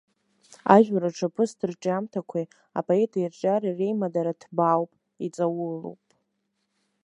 Ажәлар рҿаԥыцтә рҿиамҭақәеи апоет ирҿиареи реимадара ҭбаауп, иҵаулоуп.